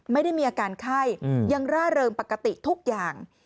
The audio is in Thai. ไม่ได้มีอาการไข้ยังร่าเริงปกติทุกอย่าง